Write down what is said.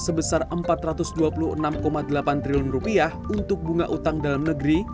sebesar rp empat ratus dua puluh enam delapan triliun untuk bunga utang dalam negeri